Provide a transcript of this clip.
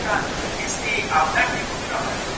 ذمي ته په درنه سترګه ګورئ.